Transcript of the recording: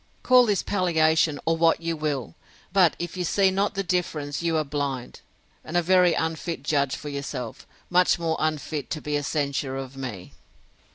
—Call this palliation, or what you will; but if you see not the difference, you are blind; and a very unfit judge for yourself, much more unfit to be a censurer of me.